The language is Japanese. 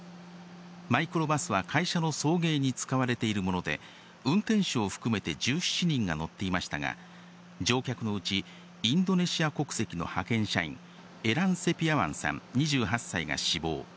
マイクロバスは会社の送迎に使われているもので、運転手を含めて１７人が乗っていましたが、乗客のうち、インドネシア国籍の派遣社員、エラン・セピアワンさん２８歳が死亡。